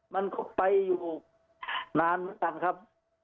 มันก็ไปอยู่นานเหมือนกันครับ